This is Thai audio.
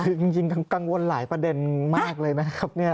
คือจริงกังวลหลายประเด็นมากเลยนะครับ